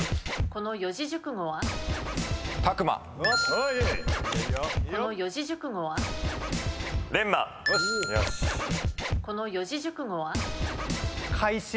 この四字熟語は？回死？